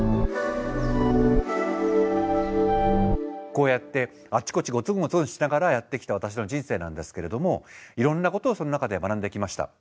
こうやってあちこちゴツンゴツンしながらやってきた私の人生なんですけれどもいろんなことをその中で学んできました。